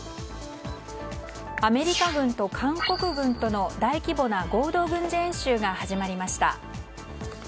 アメリカ軍と韓国軍との大規模な合同軍事演習が始まりました。